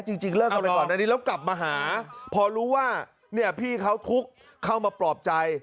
จริงเลิกกันไปก่อนอันนี้แล้วกลับมาหาพอรู้ว่าเนี่ยพี่เขาทุกข์เข้ามาปลอบใจ